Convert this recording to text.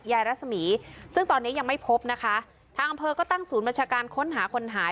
รัศมีซึ่งตอนนี้ยังไม่พบนะคะทางอำเภอก็ตั้งศูนย์บัญชาการค้นหาคนหาย